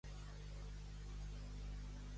Quants llibres hi ha ja de la sèrie de Montalbano?